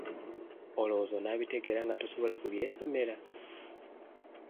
Olowooza onaabitegeera nga tosobola kubyesomera?